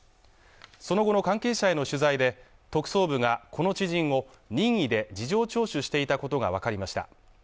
その後の関係者への取材で特捜部がこの知人を任意で事情聴取していたことが分かりました